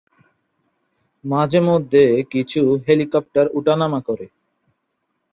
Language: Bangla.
মাঝে মধ্যে কিছু হেলিকপ্টার ওঠানামা করে।